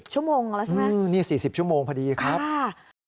ชั่วโมงแล้วใช่ไหมนี่๔๐ชั่วโมงพอดีครับค่ะ